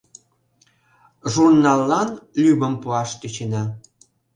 — Журналлан лӱмым пуаш тӧчена.